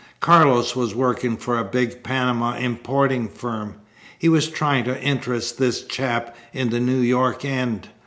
Carlos was working for a big Panama importing firm. He was trying to interest this chap in the New York end.